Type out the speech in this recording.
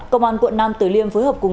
công an quận nam tử liêm phối hợp cùng